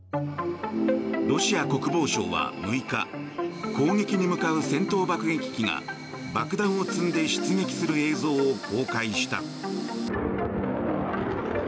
ロシア国防省は６日攻撃に向かう戦闘爆撃機が爆弾を積んで出撃する映像を公開した。